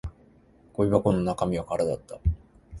ゴミ箱の中身は空だった